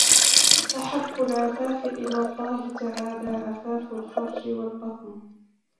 أَحَبُّ الْعَفَافِ إلَى اللَّهِ تَعَالَى عَفَافُ الْفَرْجِ وَالْبَطْنِ